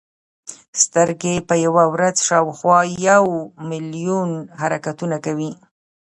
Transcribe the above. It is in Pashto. سترګې په یوه ورځ شاوخوا یو ملیون حرکتونه کوي.